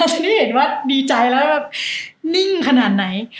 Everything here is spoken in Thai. ฉันได้เห็นว่าดีใจแล้วแบบนิ่งขนาดไหน